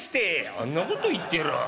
「あんなこと言ってらあ」。